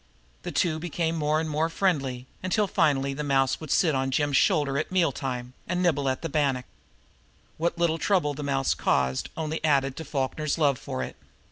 The two became more and more friendly, until finally the mouse would sit on Jim's shoulder at meal time, and nibble at bannock. What little trouble the mouse caused only added to Falkner's love for it.